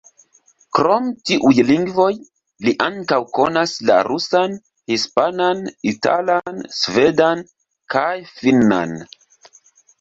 Krom tiuj lingvoj li ankaŭ konas la rusan, hispanan, italan, svedan kaj finnan.